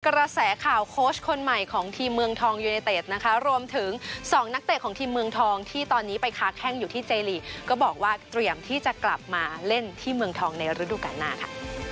กระแสข่าวโค้ชคนใหม่ของทีมเมืองทองยูเนเต็ดนะคะรวมถึงสองนักเตะของทีมเมืองทองที่ตอนนี้ไปค้าแข้งอยู่ที่เจลีกก็บอกว่าเตรียมที่จะกลับมาเล่นที่เมืองทองในฤดูการหน้าค่ะ